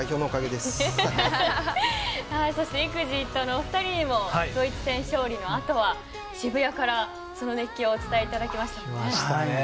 そして、ＥＸＩＴの２人にもドイツ戦勝利のあとは渋谷からその熱狂をお伝えいただきましたね。